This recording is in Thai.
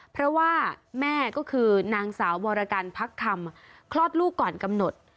เพราะว่าแม่ก็คือนางสาววรกันพักคำคลอดลูกก่อนกำหนด